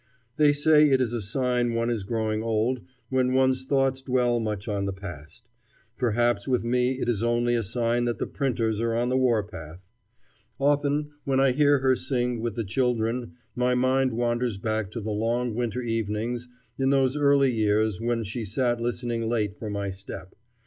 They say it is a sign one is growing old when one's thoughts dwell much on the past. Perhaps with me it is only a sign that the printers are on the war path. Often when I hear her sing with the children my mind wanders back to the long winter evenings in those early years when she sat listening late for my step.